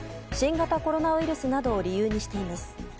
新型コロナウイルスなどを理由にしています。